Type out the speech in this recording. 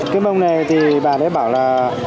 cái mâm này thì bà đấy bảo là